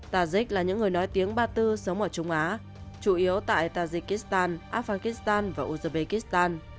tajik là những người nói tiếng ba tư sống ở trung á chủ yếu tại tajikistan afghanistan và uzbekistan